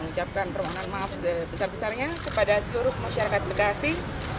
mengucapkan permohonan maaf sebesar besarnya kepada seluruh masyarakat bekasi